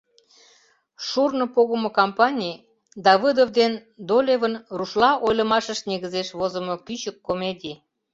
«Шурно погымо кампаний» — Давыдов ден Долевын рушла ойлымашышт негызеш возымо кӱчык комедий.